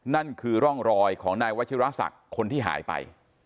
นั่นคือร่องรอยของนายวัชิราศักดิ์คนที่หายไป